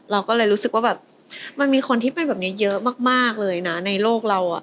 เราก็เลยรู้สึกว่าแบบมันมีคนที่เป็นแบบนี้เยอะมากเลยนะในโลกเรา